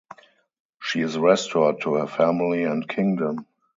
She is restored to her family and kingdom.